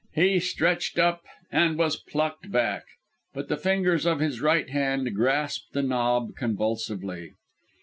He stretched up ... and was plucked back. But the fingers of his right hand grasped the knob convulsively.